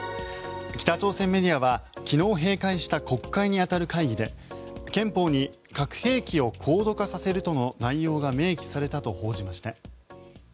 北朝鮮メディアは昨日閉会した国会に当たる会議で憲法に核兵器を高度化させるとの内容が明記されたと報じました。